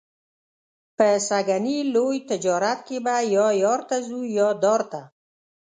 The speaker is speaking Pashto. په سږني لوی تجارت کې به یا یار ته څو یا دار ته.